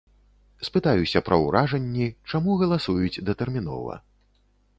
Спытаюся пра ўражанні, чаму галасуюць датэрмінова.